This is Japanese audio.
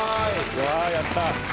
うわやった。